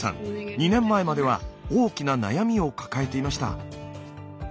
２年前までは大きな悩みを抱えていました。